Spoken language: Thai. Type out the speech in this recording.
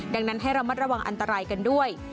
ดังนั้นให้ระมัดระวังอันตรายกันด้วย